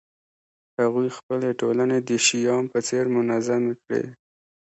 هغوی خپلې ټولنې د شیام په څېر منظمې کړې